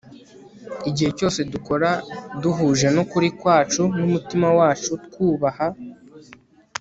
igihe cyose dukora duhuje n'ukuri kwacu n'umutima wacu, twubaha